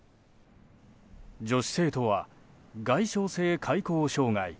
女子生徒は外傷性開口障害。